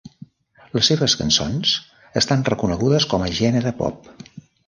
Les seves cançons estan reconegudes com a gènere pop.